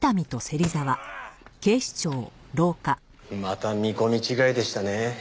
また見込み違いでしたね。